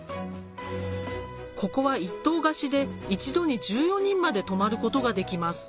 ここは一棟貸しで一度に１４人まで泊まることができます